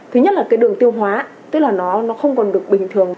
thứ nhất là cái đường tiêu hóa tức là nó không còn được bình thường